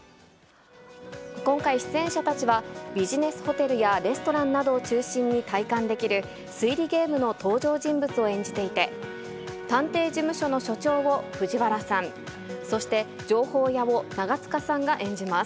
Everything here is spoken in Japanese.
今回、出演者たちは、ビジネスホテルやレストランなどを中心に、体感できる推理ゲームの登場人物を演じていて、探偵事務所の所長を藤原さん、そして情報屋を長塚さんが演じます。